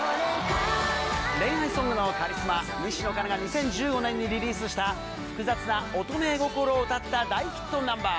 恋愛ソングのカリスマ、西野カナが２０１５年にリリースした、複雑な乙女心を歌った大ヒットナンバー。